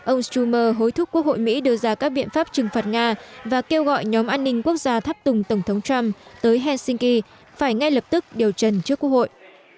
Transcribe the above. ông streumer hối thúc quốc hội mỹ đưa ra các biện pháp trừng phạt nga và kêu gọi nhóm an ninh quốc gia thắp tùng tổng thống trump tới helsinki phải ngay lập tức điều trần trước quốc hội